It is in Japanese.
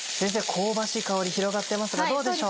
香ばしい香り広がってますがどうでしょう？